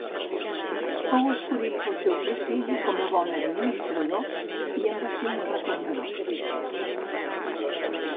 Fou escollit pel seu prestigi com a bon administrador i en va ser un reformador.